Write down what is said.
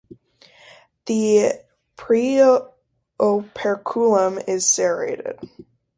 The preoperculum is serrated.